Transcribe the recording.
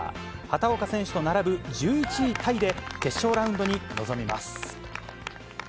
畑岡選手と並ぶ１１位タイで、決勝ラウンドに臨みます。